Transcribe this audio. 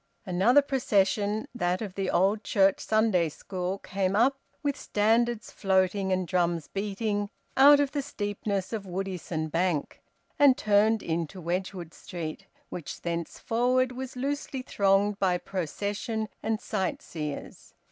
Another procession that of the Old Church Sunday school came up, with standards floating and drums beating, out of the steepness of Woodisun Bank, and turned into Wedgwood Street, which thenceforward was loosely thronged by procession and sightseers.